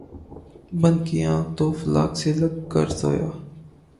بند کی آنکھ ، تو افلاک سے لگ کر سویا